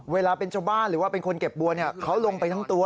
เวลาเป็นชาวบ้านหรือว่าเป็นคนเก็บบัวเขาลงไปทั้งตัว